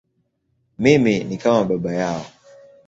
Mimi ni kama baba yao.